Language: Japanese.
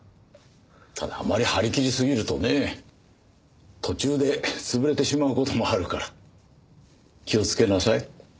ただあまり張り切りすぎるとね途中で潰れてしまう事もあるから気をつけなさい。